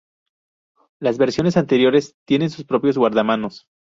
Las versiones anteriores tienen sus propios guardamanos.